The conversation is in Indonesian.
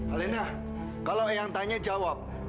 alena kalau yang tanya jawab